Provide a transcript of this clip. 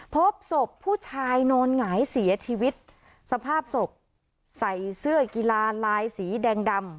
พบศพผู้ชายนอนหงายเสียชีวิตสภาพศพใส่เสื้อกีฬาลายสีแดงดำ